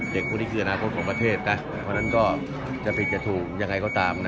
พวกนี้คืออนาคตของประเทศนะเพราะฉะนั้นก็จะผิดจะถูกยังไงก็ตามนะ